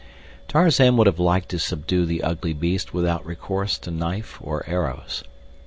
Tarzan would have liked to subdue the ugly beast without recourse to knife or arrows.